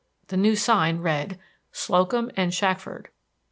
The new sign read, Slocum & Shackford.